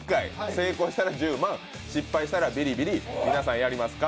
成功したら１０万失敗したらビリビリ、皆さんやりますか？